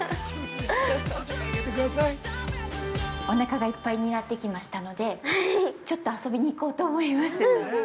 おなかがいっぱいになってきましたので、ちょっと遊びに行こうと思います。